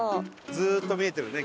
ずっと見えてるね